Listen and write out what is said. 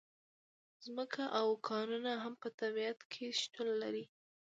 ځمکه او کانونه هم په طبیعت کې شتون لري.